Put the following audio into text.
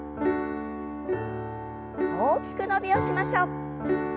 大きく伸びをしましょう。